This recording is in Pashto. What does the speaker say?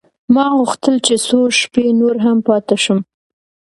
ما غوښتل چې څو شپې نور هم پاته شم.